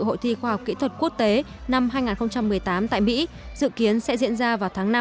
hội thi khoa học kỹ thuật quốc tế năm hai nghìn một mươi tám tại mỹ dự kiến sẽ diễn ra vào tháng năm năm hai nghìn một mươi tám